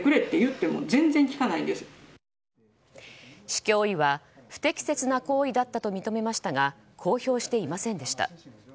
市教委は不適切な行為だったと認めましたが公表していませんでした。